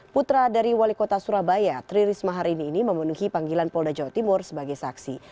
putra dari wali kota surabaya tri risma hari ini memenuhi panggilan polda jawa timur sebagai saksi